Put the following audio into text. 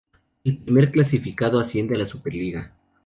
El primer clasificado asciende a la Superliga.